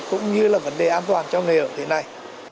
cũng như là vấn đề an toàn cho nghề ở thế này